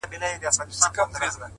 o غټي سترگي شينكى خال د چا د ياد.